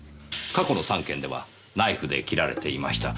過去の３件ではナイフで切られていました。